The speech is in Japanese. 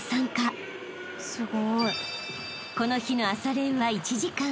［この日の朝練は１時間］